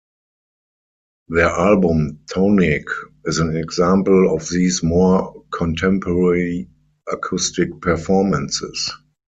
Their album "Tonic" is an example of these more contemporary acoustic performances.